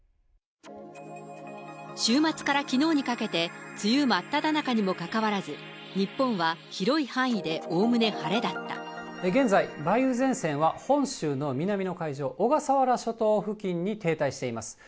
週末からきのうにかけて、梅雨真っただ中にもかかわらず、日本は広い範囲でおおむね晴れだ現在、梅雨前線は本州の南の海上、小笠原諸島付近に停滞しています。